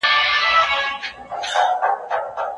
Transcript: د کار نشتوالی په ټولنه کې اندېښنې زیاتوي.